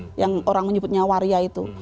transpuan ya yang orang menyebutnya waria itu